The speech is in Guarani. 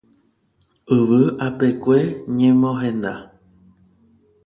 Yvy apekue ñemohenda.